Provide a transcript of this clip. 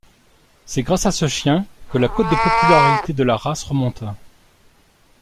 C’est grâce à ce chien que la cote de popularité de la race remonta.